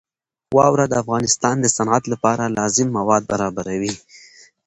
واوره د افغانستان د صنعت لپاره لازم مواد برابروي.